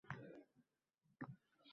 U yig‘lab, tezda arz qilishga shoshildi...